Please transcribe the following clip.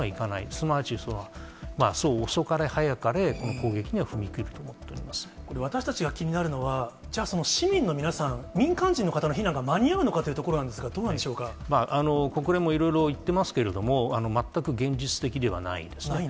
すなわち、そう遅かれ早かれ、この攻撃には踏み切ると思ってお私たちが気になるのは、じゃあ、その市民の皆さん、民間人の方の避難が間に合うのかというところなんですが、どうな国連もいろいろ言ってますけれども、全く現実的ではないんですね。